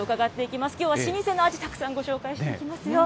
きょうは老舗の味、たくさんご紹介していきますよ。